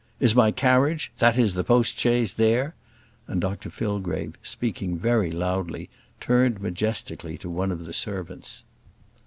Is my carriage that is, post chaise there?" and Dr Fillgrave, speaking very loudly, turned majestically to one of the servants.